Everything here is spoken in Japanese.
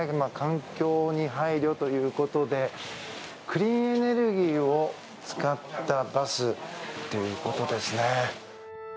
環境に配慮ということでクリーンエネルギーを使ったバスということですね。